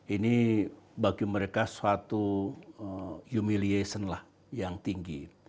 ini bagi mereka suatu umiliation lah yang tinggi